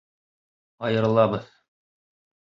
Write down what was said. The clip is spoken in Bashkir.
Айырылабыҙ!